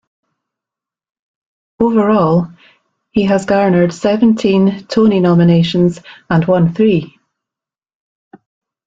Overall, he has garnered seventeen Tony nominations and won three.